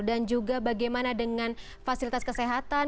dan juga bagaimana dengan fasilitas kesehatan